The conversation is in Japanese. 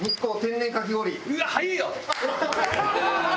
うわっ早えよ！